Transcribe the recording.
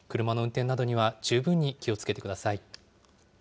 車の運転などには十分に気をつけてください。